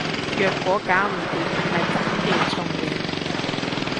若果搞唔掂，咪砍掉重練